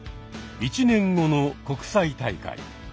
１年後の国際大会。